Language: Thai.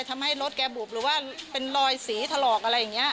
ทำให้รถแกบุบหรือว่าเป็นรอยสีถลอกอะไรอย่างนี้